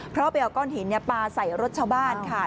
เพราะไปเอาก้อนหินปลาใส่รถชาวบ้านค่ะ